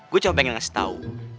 gue cuma pengen kasih tau